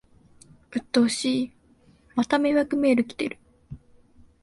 うっとうしい、また迷惑メール来てる